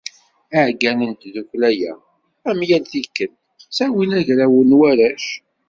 Iεeggalen n tdukkla-a, am yal tikkelt, ttawin agraw n warrac.